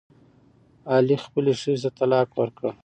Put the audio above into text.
علي خپلې ښځې ته طلاق ورکړ.